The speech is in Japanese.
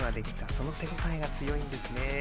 その手応えが強いんでしょうね。